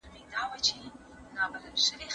زه به سبا د کلتور په اړه په یوه غونډه کې ګډون وکړم.